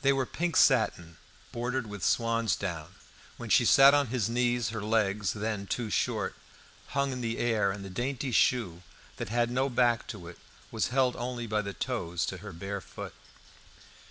They were pink satin, bordered with swansdown. When she sat on his knees, her leg, then too short, hung in the air, and the dainty shoe, that had no back to it, was held only by the toes to her bare foot.